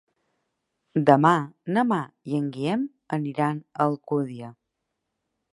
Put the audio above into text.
Demà na Mar i en Guillem aniran a l'Alcúdia.